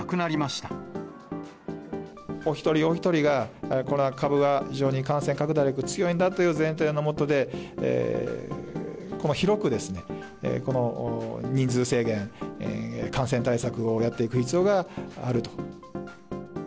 お一人一人が、この株は非常に感染拡大力が強いんだという前提のもとで、この広くこの人数制限、感染対策をやっていく必要があると。